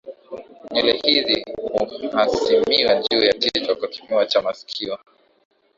nywele hizi huhasimiwa juu ya kichwa kwa kipimo cha masikio